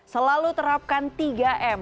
selalu terapkan tiga m